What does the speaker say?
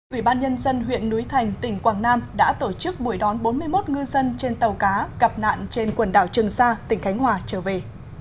ủy ban nhân dân huyện núi thành tỉnh quảng nam đã tổ chức buổi đón bốn mươi một ngư dân trên tàu cá gặp nạn trên quần đảo trường sa tỉnh khánh hòa trở về